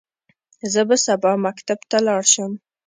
زه به سبا مکتب ته لاړ شم.